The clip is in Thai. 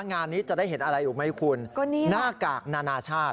งานนี้จะได้เห็นอะไรอีกไหมคุณน่ากากนาชาติ